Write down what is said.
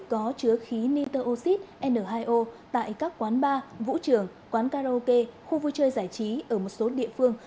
có chứa khí nitroxid n hai o tại các quán bar vũ trường quán karaoke khu vui chơi giải trí ở một số địa phương